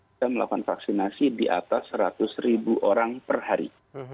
kita melakukan vaksinasi di atas seratus ribu orang per hari